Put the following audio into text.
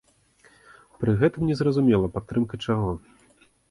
Пры гэтым незразумела, падтрымка чаго?